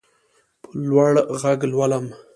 په لوړ غږ لولم.